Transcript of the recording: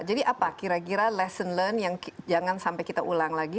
apa kira kira lesson learned yang jangan sampai kita ulang lagi